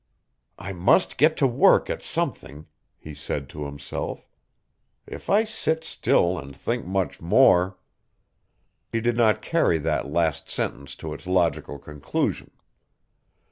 "I must get to work at something," he said to himself. "If I sit still and think much more " He did not carry that last sentence to its logical conclusion.